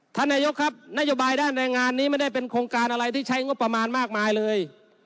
ท่านนายกครับนโยบายด้านแรงงานนี้ไม่ได้เป็นโครงการอะไรที่ใช้งบประมาณมากมายเลย